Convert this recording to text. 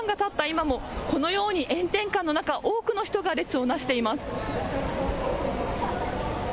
今もこのように炎天下の中、多くの人が列をなしています。